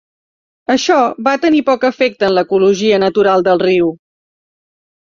Això va tenir poc efecte en l'ecologia natural del riu.